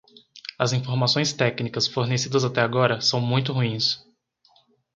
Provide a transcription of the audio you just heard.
As informações técnicas fornecidas até agora são muito ruins.